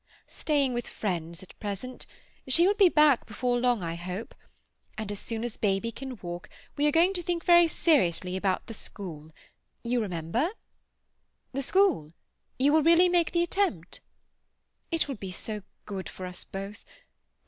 "Staying with friends at present. She will be back before long, I hope. And as soon as baby can walk we are going to think very seriously about the school. You remember?" "The school? You will really make the attempt?" "It will be so good for us both.